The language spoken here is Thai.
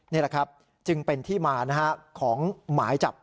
นี่แหละครับจึงเป็นที่มาของหมายจับ